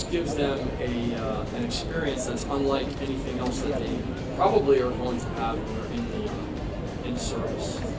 satu itu hanya memberi mereka pengalaman yang tidak berbeda dengan apa apa lain yang mereka mungkin inginkan memiliki di perusahaan